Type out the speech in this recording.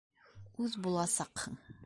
— Үҙ буласаҡһың.